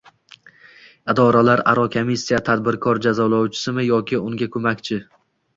Idoralararo komissiya tadbirkor jazolovchisimi yoki unga ko‘makchi?ng